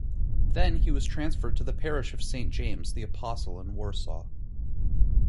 Then he was transferred to the parish of Saint James the Apostle in Warsaw.